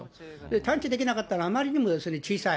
探知できなかっのはあまりにも小さい。